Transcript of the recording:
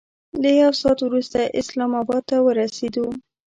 له یو ساعت وروسته اسلام اباد ته ورسېدو.